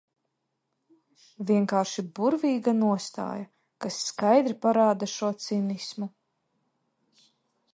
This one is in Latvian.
Vienkārši burvīga nostāja, kas skaidri parāda šo cinismu.